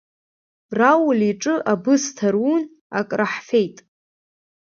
Рауль иҿы абысҭа рун, акраҳфеит.